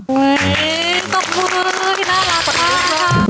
เฮ้ยสบายน่ารักมาก